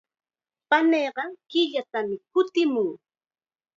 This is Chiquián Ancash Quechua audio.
Paniiqa killatam kutimun.